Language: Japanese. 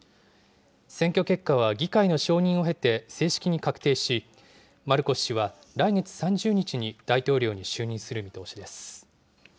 選挙結果は議会の承認を経て正式に確定し、マルコス氏は来月３０日に大統領に就任する見通しです。